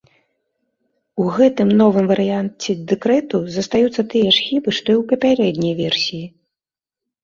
У гэтым новым варыянце дэкрэту застаюцца тыя ж хібы, што і ў папярэдняй версіі.